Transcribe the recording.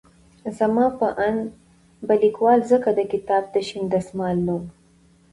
زما په اند به ليکوال ځکه د کتاب ته شين دسمال نوم